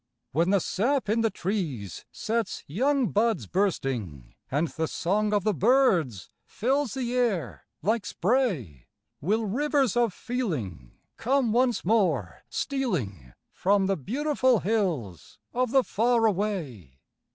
When the sap in the trees sets young buds bursting, And the song of the birds fills the air like spray, Will rivers of feeling come once more stealing From the beautiful hills of the far away?